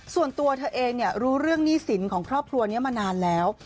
ส่วนตัวเธอเองรู้เรื่องหนี้สินของครอบครัวนี้มานานแล้ว